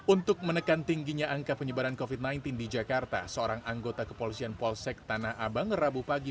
untuk menekan tingginya angka penyebaran covid sembilan belas di jakarta seorang anggota kepolisian polsek tanah abang rabu pagi